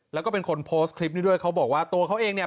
แล้วก็เป็นคนโพสต์คลิปนี้ด้วยเขาบอกว่าตัวเขาเองเนี่ย